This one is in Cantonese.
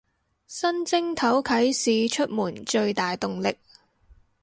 新正頭啟市出門最大動力